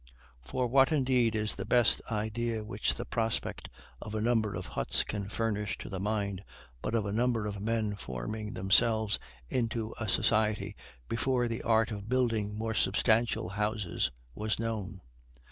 For what indeed is the best idea which the prospect of a number of huts can furnish to the mind, but of a number of men forming themselves into a society before the art of building more substantial houses was known?